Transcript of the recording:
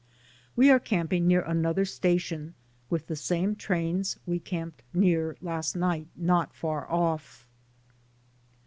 We are camping near another station, with the same trains we camped near last night not far off.